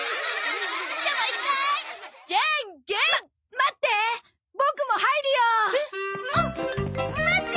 待って！